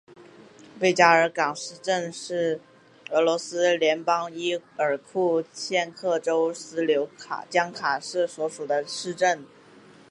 贝加尔港市镇是俄罗斯联邦伊尔库茨克州斯柳江卡区所属的一个市镇。